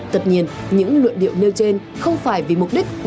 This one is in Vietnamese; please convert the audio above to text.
tất nhiên những luận điệu nêu trên không phải vì mục đích hoàn thiện